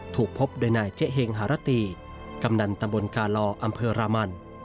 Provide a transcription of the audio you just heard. ถูกพบโดยนายเจ๊เฮงหารตีกำนันตำบลกาลออำเภอรามัน